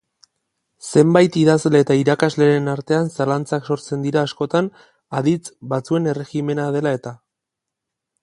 Zenbait idazle eta irakasleren artean zalantzak sortzen dira askotan aditz batzuen erregimena dela eta.